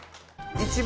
１番！